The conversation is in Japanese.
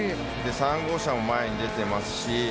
３号車も前に出てますし。